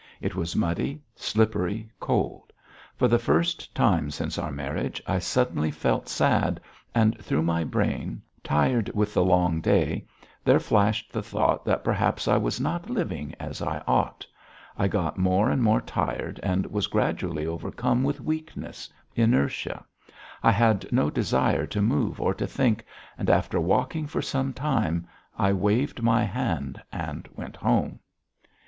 It was muddy, slippery, cold. For the first time since our marriage I suddenly felt sad, and through my brain, tired with the long day, there flashed the thought that perhaps I was not living as I ought; I got more and more tired and was gradually overcome with weakness, inertia; I had no desire to move or to think, and after walking for some time, I waved my hand and went home.